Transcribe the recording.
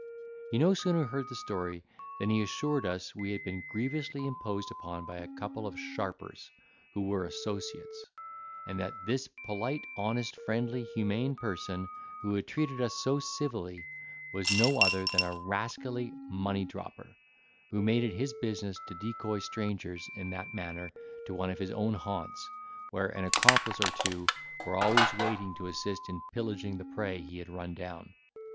He no sooner heard the story, than he assured us we had been grievously imposed upon by a couple of sharpers, who were associates; and that this polite, honest, friendly, humane person, who had treated us so civilly, was no other than a rascally money dropper, who made it his business to decoy strangers in that manner to one of his own haunts, where an accomplice or two were always waiting to assist in pillaging the prey he had run down.